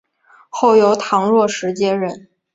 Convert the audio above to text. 后由唐若时接任。